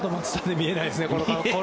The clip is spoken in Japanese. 見えないですね。